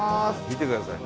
見てください